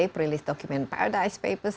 prilis dokumen paradise papers